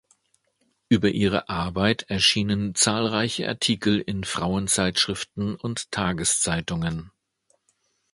Über ihre Arbeit erschienen zahlreiche Artikel in Frauenzeitschriften und Tageszeitungen.